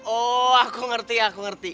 oh aku ngerti aku ngerti